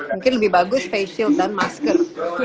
mungkin lebih bagus facial dan masker